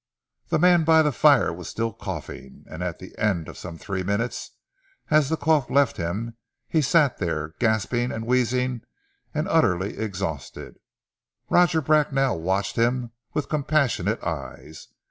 The man by the fire was still coughing, and at the end of some three minutes, as the cough left him, he sat there, gasping and wheezing and utterly exhausted. Roger Bracknell watched him, with compassionate eyes.